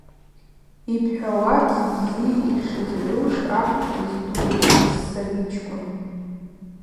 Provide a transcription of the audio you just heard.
Йбхӏвауа бзи-бзи йшызгӏуш акӏвпӏ йздуу, ссабичкӏвын.